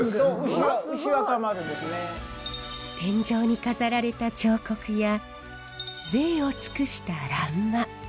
天井に飾られた彫刻やぜいを尽くした欄間。